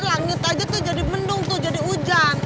langit aja tuh jadi bendung tuh jadi hujan